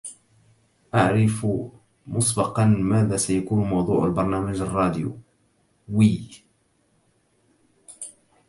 أعرف مسبقاً، ماذا سيكون موضوع البرنامج الراديوي.